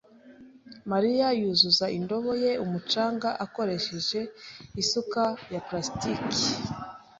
Mariya yuzuza indobo ye umucanga akoresheje isuka ya plastiki.